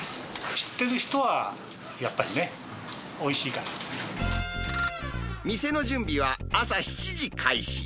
知ってる人はやっぱりね、店の準備は朝７時開始。